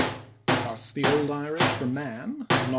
Thus the Old Irish for "man", nom.